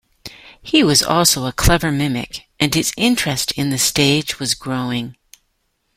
He was also a clever mimic, and his interest in the stage was growing.